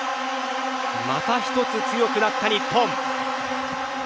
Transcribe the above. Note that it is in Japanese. また１つ強くなった日本。